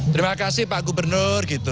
terima kasih pak gubernur